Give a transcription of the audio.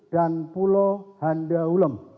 dan pulau handa ulem